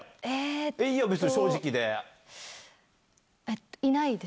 いいよ別に、正直で。